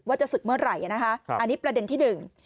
ว่าจะศึกเมื่อไหร่อันนี้ประเด็นที่๑